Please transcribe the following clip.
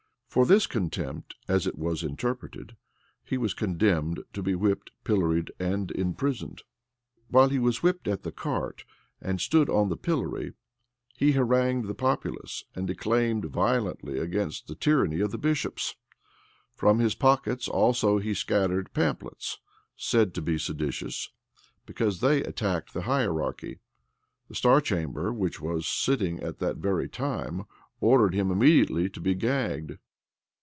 For this contempt, as it was interpreted, he was condemned to be whipped, pilloried, and imprisoned. While he was whipped at the cart, and stood on the pillory, he harangued the populace, and declaimed violently against the tyranny of bishops. From his pockets also he scattered pamphlets, said to be seditious, because they attacked the hierarchy. The star chamber, which was sitting at that very time, ordered him immediately to be gagged.